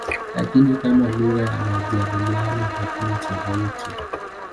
Lakini kama lugha ya majadiliano hakuna tofauti.